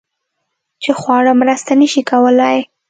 چې خواړه مرسته نشي کولی